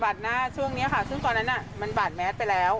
หน้าช่วงนี้ค่ะซึ่งตอนนั้นมันบาดแมสไปแล้ว